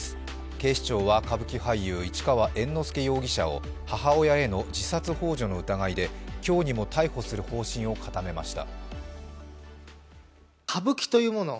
警視庁は歌舞伎俳優市川猿之助容疑者を母親への自殺ほう助の疑いで今日にも逮捕する方針を固めました。